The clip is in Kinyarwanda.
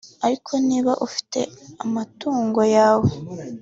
Ariko niba ufite amatungo yawe